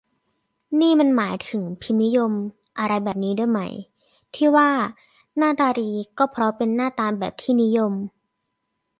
นี่มันหมายถึง "พิมพ์นิยม" อะไรแบบนี้ด้วยไหม ที่ว่า หน้าตา'ดี' ก็เพราะเป็นหน้าตา'แบบที่นิยม'